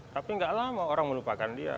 tapi gak lama orang melupakan dia